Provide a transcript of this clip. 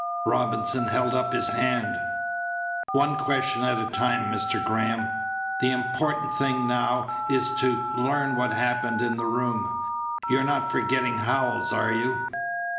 Robinson held up his hand. "One question at a time, Mr. Graham. The important thing now is to learn what happened in the room. You're not forgetting Howells, are you?"